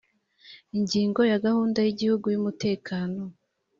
ingingo ya gahunda y igihugu y umutekano